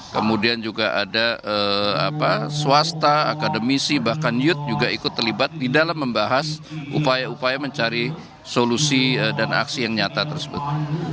kemudian juga ada swasta akademisi bahkan youth juga ikut terlibat di dalam membahas upaya upaya mencari solusi dan aksi yang nyata tersebut